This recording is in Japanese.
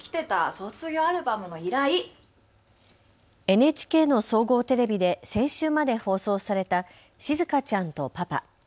ＮＨＫの総合テレビで先週まで放送されたしずかちゃんとパパ。